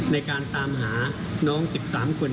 ในการตามหาน้อง๑๓คน